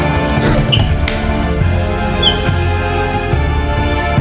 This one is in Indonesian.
kau tak bisa berpikir pikir